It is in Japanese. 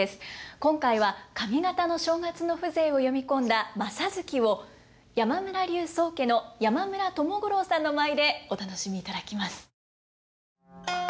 今回は上方の正月の風情を詠み込んだ「正月」を山村流宗家の山村友五郎さんの舞でお楽しみいただきます。